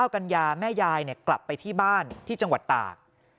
กันยาแม่ยายกลับไปที่บ้านที่จังหวัดตาก